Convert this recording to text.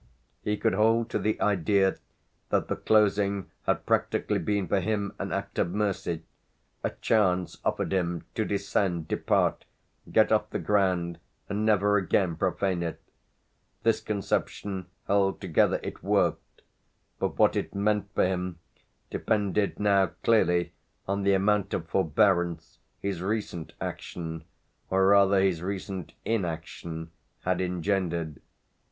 He could hold to the idea that the closing had practically been for him an act of mercy, a chance offered him to descend, depart, get off the ground and never again profane it. This conception held together, it worked; but what it meant for him depended now clearly on the amount of forbearance his recent action, or rather his recent inaction, had engendered.